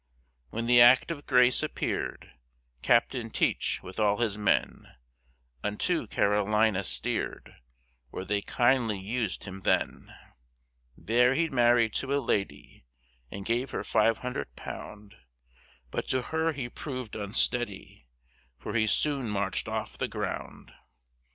When the Act of Grace appeared, Captain Teach, with all his Men, Unto Carolina steered, Where they kindly us'd him then; There he marry'd to a Lady, And gave her five hundred Pound, But to her he prov'd unsteady, For he soon march'd off the Ground.